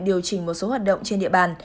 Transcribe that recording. điều chỉnh một số hoạt động trên địa bàn